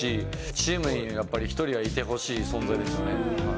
チームにやっぱり１人はいてほしい存在ですよね。